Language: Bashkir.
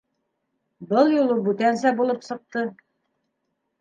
Был юлы бүтәнсә булып сыҡты.